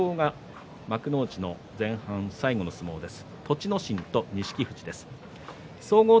土俵は幕内の前半最後の相撲です。